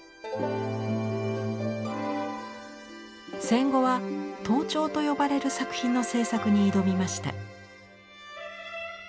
戦後は「陶彫」と呼ばれる作品の制作に挑みました。